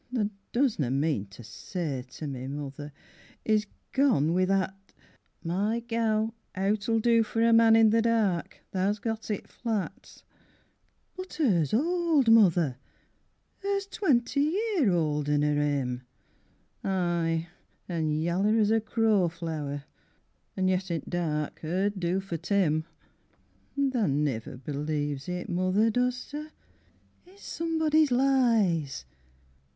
Tha doesna mean to say to me, mother, He's gone wi that My gel, owt'll do for a man i' the dark, Tha's got it flat. But 'er's old, mother, 'er's twenty year Older nor him Ay, an' yaller as a crowflower, an' yet i' the dark Er'd do for Tim. Tha niver believes it, mother, does ter? It's somebody's lies.